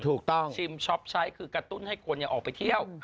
ถูกต้องซิมช็อปใช้คือกระตุ้นให้คนอย่าออกไปเที่ยว